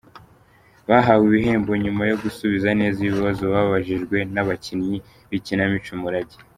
Bahawe ibihembo nyuma yo gusubiza neza ibibazo babajijwe n'abakinnyi b'ikinamico Umurage.